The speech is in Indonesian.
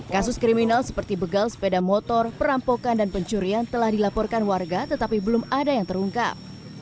kasus kriminal seperti begal sepeda motor perampokan dan pencurian telah dilaporkan warga tetapi belum ada yang terungkap